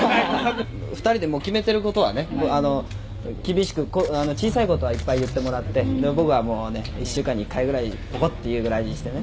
「２人でもう決めてる事はね厳しく小さい事はいっぱい言ってもらって僕はもうね１週間に１回ぐらいボコッ！って言うぐらいにしてね」